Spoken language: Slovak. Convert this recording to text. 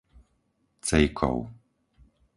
Cejkov